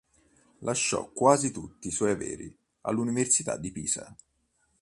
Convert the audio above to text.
Lasciò quasi tutti i suoi averi all'Università di Pisa.